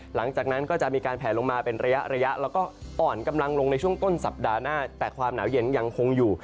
หลังจากนั้นก็จะมีการแผลลงมาเป็นระยะระยะแล้วก็อ่อนกำลังลงในช่วงต้นสัปดาห์หน้าแต่ความหนาวเย็นยังคงอยู่